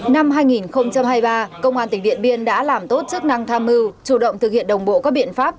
năm hai nghìn hai mươi ba công an tỉnh điện biên đã làm tốt chức năng tham mưu chủ động thực hiện đồng bộ các biện pháp